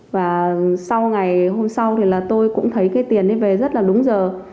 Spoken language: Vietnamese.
và sau ngày hôm sau thì là tôi cũng thấy cái tiền ấy về rất là đúng giờ